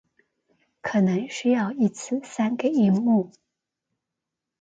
可能需要一次三個螢幕